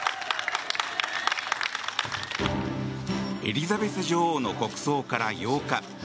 エリザベス女王の国葬から８日。